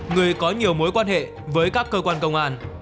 người có nhiều mối quan hệ với các cơ quan công an